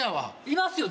いますよ